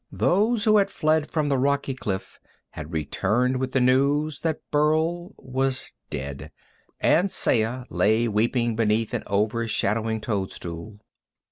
Those who had fled from the rocky cliff had returned with the news that Burl was dead, and Saya lay weeping beneath an over shadowing toadstool.